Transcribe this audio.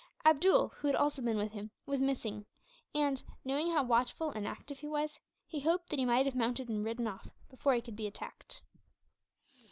Abdool, who had also been with him, was missing and, knowing how watchful and active he was, he hoped that he might have mounted and ridden off, before he could be attacked.